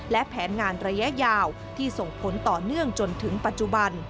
และแผนงานระยะยาวที่ส่งผลต่อเนื่องจนถึงปัจจุบัน